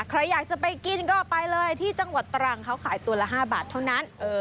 ใครอยากจะไปกินก็ไปเลยที่จังหวัดตรังเขาขายตัวละ๕บาทเท่านั้น